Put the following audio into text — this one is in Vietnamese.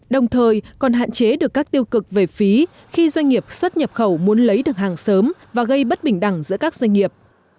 đồng thời còn hạn chế được các tiêu cực về phí khi doanh nghiệp xuất nhập khẩu muốn lấy được hàng sớm và gây bất bình đẳng giữa các doanh nghiệp